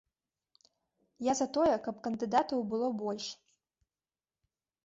Я за тое, каб кандыдатаў было больш.